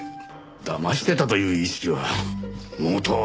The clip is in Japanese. だましてたという意識は毛頭ありませんが。